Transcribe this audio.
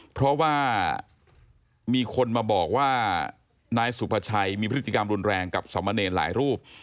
เพราะว่ามีคนมาบอกว่านายสุภาชัยมีพฤติกรรมรุนแรงกับสมเนรหลายรูป